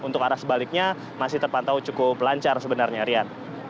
untuk arah sebaliknya masih terpantau cukup lancar sebenarnya rian